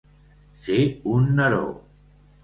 Ser un Neró.